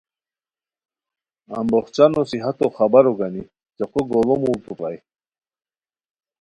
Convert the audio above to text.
امبوخچانو صحتو خبار و گانی څیقو گوڑو موڑتو پرائے